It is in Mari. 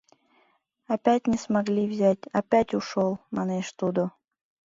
— Опять не смогли взять, опять ушёл... — манеш тудо.